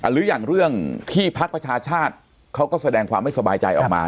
หรืออย่างเรื่องที่พักประชาชาติเขาก็แสดงความไม่สบายใจออกมา